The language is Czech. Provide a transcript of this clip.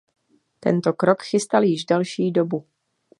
Tento krok chystal již delší dobu.